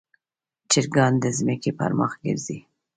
چرګان د ځمکې پر مخ ګرځي.